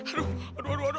aduh aduh aduh aduh